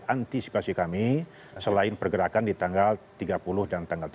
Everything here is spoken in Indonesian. antisipasi kami selain pergerakan di tanggal tiga puluh dan tanggal tiga puluh